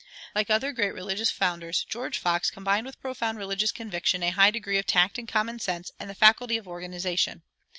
Like other great religious founders, George Fox combined with profound religious conviction a high degree of tact and common sense and the faculty of organization.